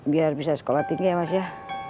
biar bisa sekolah tinggi ya mas ya